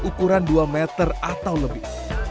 ukuran dua meter atau lebih